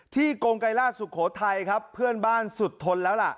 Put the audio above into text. กงไกรราชสุโขทัยครับเพื่อนบ้านสุดทนแล้วล่ะ